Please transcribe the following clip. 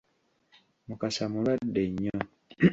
Mukasa mulwadde nnyo.